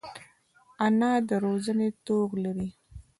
انا د روزنې توغ لري